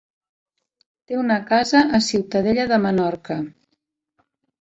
Té una casa a Ciutadella de Menorca.